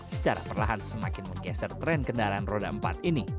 secara perlahan semakin menggeser tren kendaraan roda empat ini